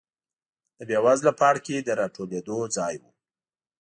د بېوزله پاړکي د راټولېدو ځای و.